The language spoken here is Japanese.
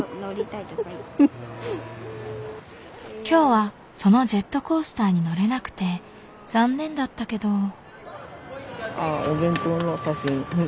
今日はそのジェットコースターに乗れなくて残念だったけど。